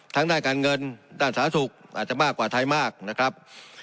ด้านการเงินด้านสาธารณสุขอาจจะมากกว่าไทยมากนะครับ